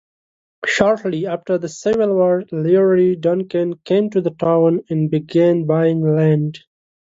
Shortly after the Civil War, Leroy Duncan came to town and began buying land.